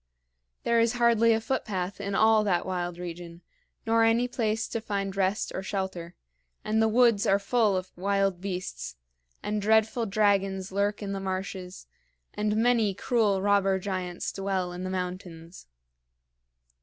There is hardly a footpath in all that wild region, nor any place to find rest or shelter; and the woods are full of wild beasts, and dreadful dragons lurk in the marshes, and many cruel robber giants dwell in the mountains."